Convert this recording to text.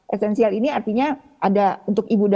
esensial ini artinya ada untuk ibu dan